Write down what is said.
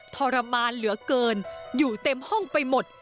ทรมานเหลือเกินอยู่เต็มห้องไปหมด